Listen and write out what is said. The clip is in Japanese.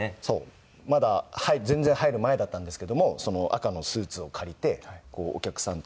まだ全然入る前だったんですけども赤のスーツを借りてお客さんとこうやって握手をして。